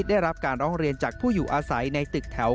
ได้รับการร้องเรียนจากผู้อยู่อาศัยในตึกแถว